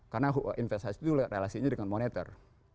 karena investasi itu relasinya dengan moneter